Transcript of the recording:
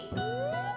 beli maksud abang